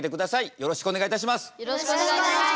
よろしくお願いします。